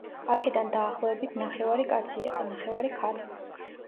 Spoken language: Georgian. აქედან დაახლოებით ნახევარი კაცი იყო, ნახევარი – ქალი.